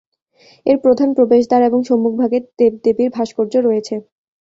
এর প্রধান প্রবেশদ্বার এবং সম্মুখভাগে দেব-দেবীর ভাস্কর্য রয়েছে।